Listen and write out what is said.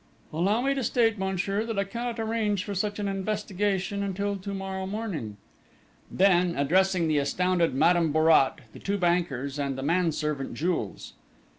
"Allow me to state, monsieur, that I cannot arrange for such an investigation until to morrow morning!" Then, addressing the astounded Madame Bourrat, the two bankers, and the manservant, Jules.